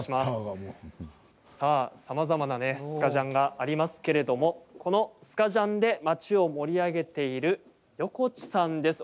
さあ、さまざまなねスカジャンがありますけれどもこのスカジャンで街を盛り上げている横地さんです。